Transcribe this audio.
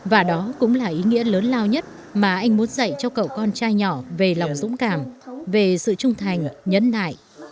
và đó cũng là ý nghĩa lớn lao nhất mà anh muốn dạy cho cậu con trai nhỏ về lòng dũng cảm về sự trung thành nhấn nại